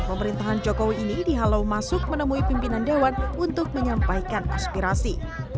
pemerintahan jokowi ini dihalau masuk menemui pimpinan dewan untuk menyampaikan aspirasi